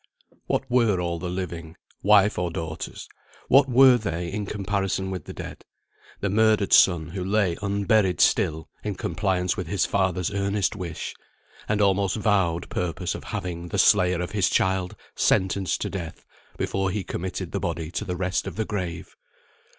What were all the living, wife or daughters, what were they in comparison with the dead, the murdered son who lay unburied still, in compliance with his father's earnest wish, and almost vowed purpose of having the slayer of his child sentenced to death, before he committed the body to the rest of the grave?